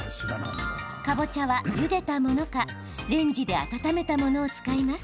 かぼちゃは、ゆでたものかレンジで温めたものを使います。